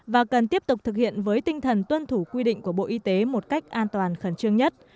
và cần tiếp tục thực hiện với tinh thần tuân thủ quy định của bộ y tế một cách an toàn khẩn trương nhất